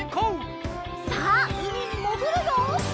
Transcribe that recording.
さあうみにもぐるよ！